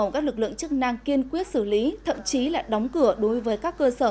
các lực lượng chức năng kiên quyết xử lý thậm chí là đóng cửa đối với các cơ sở